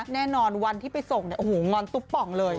แน่นอนวันที่ไปส่งเนี่ยโอ้โหงอนตุ๊บป่องเลย